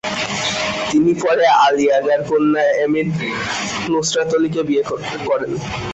তিনি পরে আলি আগার কন্যা এমিন নুসরাতলিকে বিয়ে করেন।